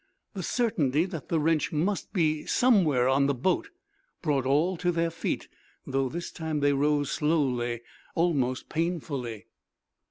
The certainty that the wrench must be somewhere on the boat brought all to their feet, though this time they rose slowly, almost painfully.